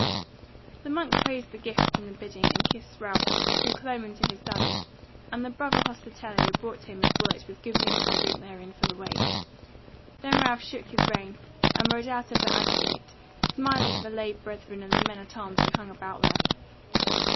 The monk praised the gift and the bidding, and kissed Ralph, who clomb into his saddle; and the brother hospitalier brought him his wallet with good meat and drink therein for the way. Then Ralph shook his rein, and rode out of the abbey gate, smiling at the lay brethren and the men at arms who hung about there.